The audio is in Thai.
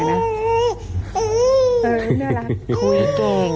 น่ารักคุยเก่ง